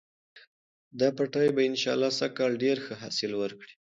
دا پټی به انشاالله سږکال ډېر ښه حاصل ورکړي.